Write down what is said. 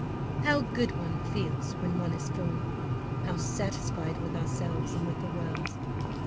How good one feels when one is full—how satisfied with ourselves and with the world!